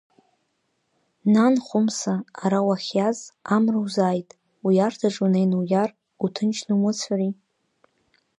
Нан, Хәымса, ара уахьиаз, амра узааит, уиарҭаҿы, унеины уиар, уҭынчны умыцәари?